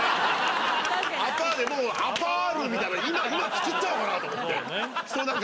「アパー」でもう「アパール」みたいな今今作っちゃおうかなと思ってそうね